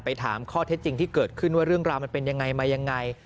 ถามข้อเท็จจริงที่เกิดขึ้นว่าเรื่องราวมันเป็นยังไงมายังไง